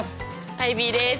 アイビーです。